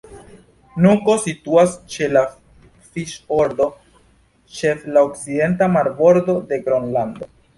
Nuko situas ĉe la fjordo ĉe la okcidenta marbordo de Gronlando.